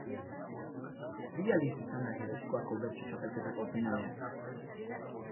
Bi aldiz izan da Gipuzkoako Bertso Txapelketako finalean.